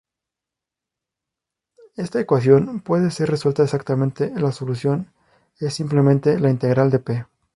Esta ecuación puede ser resuelta exactamente; la solución es simplemente la integral de "p".